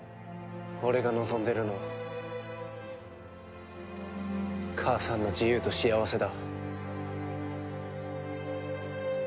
俺が望んでるのは母さんの自由と幸せだ。